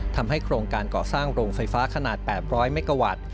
ทำให้โครงการก่อสร้างโรงไฟฟ้าขนาด๘๐๐เมกาวัตต์